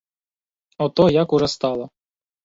Ото як уже стало.